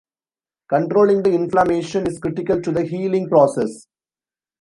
Controlling the inflammation is critical to the healing process.